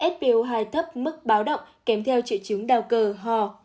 spo hai thấp mức báo động kém theo triệu chứng đào cơ hò